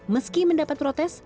meski mendapat protes